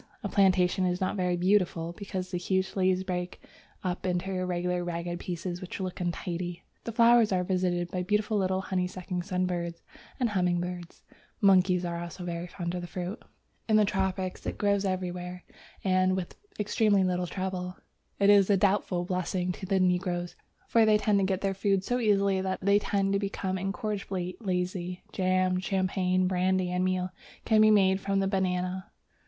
A plantation is not very beautiful, because the huge leaves break up into irregular, ragged pieces which look untidy. The flowers are visited by the beautiful little honey sucking sunbirds and humming birds. Monkeys also are very fond of the fruit. Queensland in 1900 had 6215 acres, and produced 2,321,108 bunches of bananas. In the tropics it grows everywhere, and with extremely little trouble. It is a doubtful blessing to the negroes, for they get their food so easily that they tend to become incorrigibly lazy. Jam, champagne, brandy, and meal can be made from the banana.